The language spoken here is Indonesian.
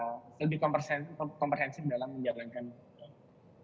lebih kompersensif dalam menjalankan ini